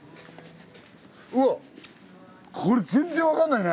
うわこれ全然分かんないね。